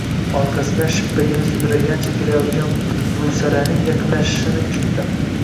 Orqasidan shippagini sudragancha kelayotgan Buvsaraning yaqinlashishini kutdi